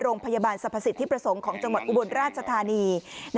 โรงพยาบาลสรรพสิทธิประสงค์ของจังหวัดอุบลราชธานี